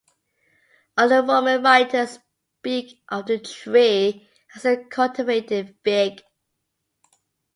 All the Roman writers speak of the tree as a cultivated fig.